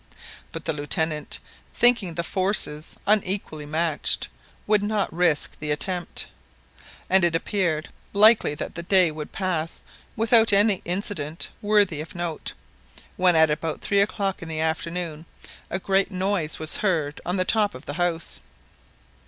But the Lieutenant, thinking the forces unequally matched, would not risk the attempt; and it appeared likely that the day would pass without any incident worthy of note, when at about three o'clock in the afternoon a great noise was heard on the top of the house.